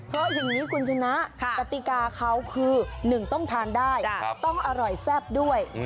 เพราะอย่างนี้คุณชนะกติกาเขาคือ๑ต้องทานได้ต้องอร่อยแซ่บด้วย